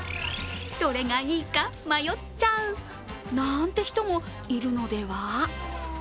どれがいいか迷っちゃうなんて人もいるのでは？